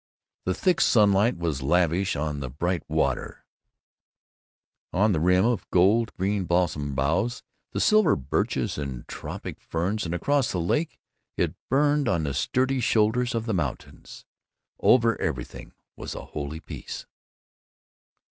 The thick sunlight was lavish on the bright water, on the rim of gold green balsam boughs, the silver birches and tropic ferns, and across the lake it burned on the sturdy shoulders of the mountains. Over everything was a holy peace.